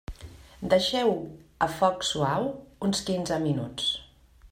Deixeu-ho a foc suau uns quinze minuts.